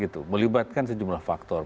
terlibatkan sejumlah faktor